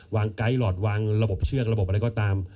ไกด์หลอดวางระบบเชือกระบบอะไรก็ตาม